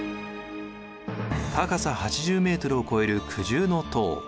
高さ８０ｍを超える九重塔。